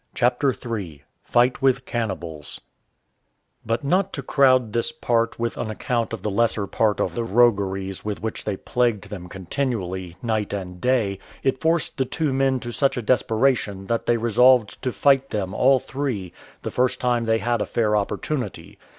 CHAPTER III FIGHT WITH CANNIBALS But not to crowd this part with an account of the lesser part of the rogueries with which they plagued them continually, night and day, it forced the two men to such a desperation that they resolved to fight them all three, the first time they had a fair opportunity.